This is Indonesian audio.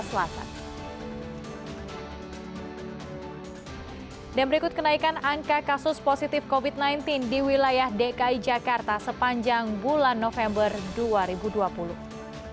pada tanggal dua puluh delapan november anies baswedan turut memperingati hari ulang tahun tim persija ke sembilan puluh dua secara virtual dari kediamannya di lebak bulus jakarta